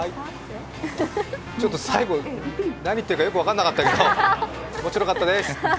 最後、何言ってるかよく分からなかったけど、面白かったです。